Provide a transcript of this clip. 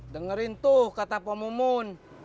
dengerin tuh kata pak mumun